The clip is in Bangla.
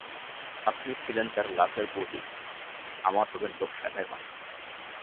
আপনি ছিলেন তাঁর লাভের বউদিদি, আমার হবেন লোকসানের মাসিমা।